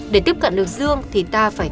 để tiếp cận được dương thì ta phải